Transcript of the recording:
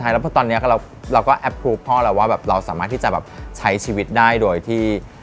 แล้วเราก็แอปพลูคพ่อเราว่าเราสามารถจะใช้ชีวิตได้โดยที่